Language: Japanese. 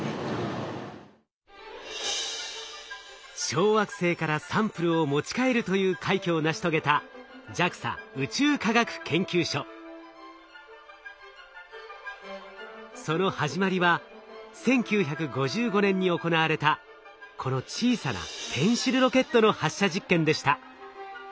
小惑星からサンプルを持ち帰るという快挙を成し遂げたその始まりは１９５５年に行われたこの小さなペンシルロケットの発射実験でした。